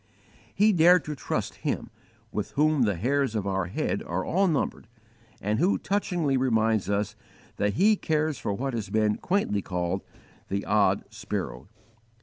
He dared to trust Him, with whom the hairs of our head are all numbered, and who touchingly reminds us that He cares for what has been quaintly called _"the odd sparrow."